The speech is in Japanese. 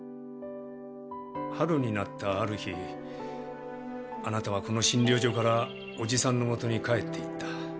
春になったある日あなたはこの診療所から伯父さんの元に帰っていった。